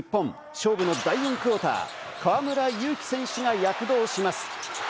勝負の第４クオーター、河村勇輝選手が躍動します。